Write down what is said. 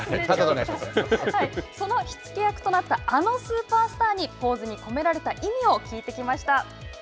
その火付け役となったあのスーパースターにポーズに込められた意味を聞いてきました！